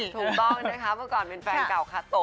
ถูกต้องนะคะเมื่อก่อนเป็นแฟนเก่าคาโต